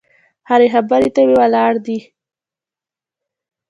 هرې خبرې ته دې ولاړ دي.